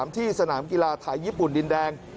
ที่สนามกีฬาไทยญี่ปุ่นดินแดง